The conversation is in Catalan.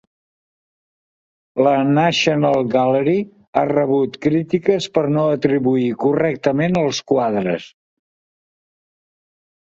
La National Gallery ha rebut crítiques per no atribuir correctament els quadres.